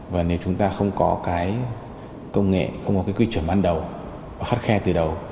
và nếu chúng ta không có cái công nghệ không có cái quy chuẩn ban đầu khắt khe từ đầu